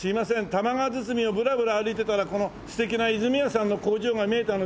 多摩川堤をブラブラ歩いてたらこの素敵な泉屋さんの工場が見えたので。